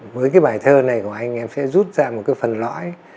với cái bài thơ này của anh em sẽ rút ra một cái phần lõi